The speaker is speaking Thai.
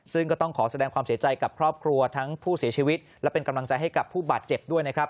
ซึ่งก็ต้องขอแสดงความเสียใจกับครอบครัวทั้งผู้เสียชีวิตและเป็นกำลังใจให้กับผู้บาดเจ็บด้วยนะครับ